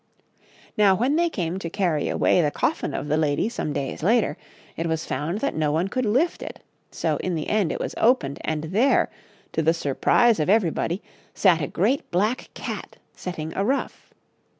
Now when they came to carry away the coffin of the lady some days later, it was found that no one could lift it, so, in the end, it was opened, and there, to the surprise of everybody, sat a great black cat setting a ruff.